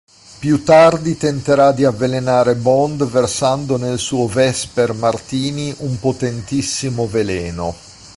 Più tardi tenterà di avvelenare Bond versando nel suo Vesper Martini un potentissimo veleno.